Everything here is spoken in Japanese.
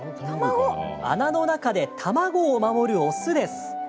穴の中で卵を守る雄です。